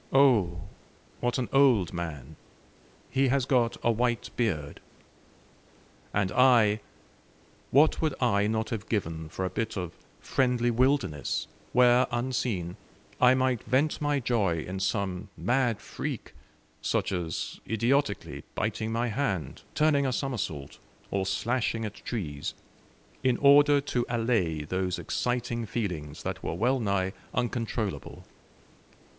Oh, what an old man! He has got a white beard." And I what would I not have given for a bit of friendly wilderness, where, unseen, I might vent my joy in some mad freak, such as idiotically biting my hand; turning a somersault, or slashing at trees, in order to allay those exciting feelings that were well nigh uncontrollable.